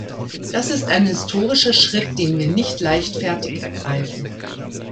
Das ist ein historischer Schritt, den wir nicht leichtfertig ergreifen.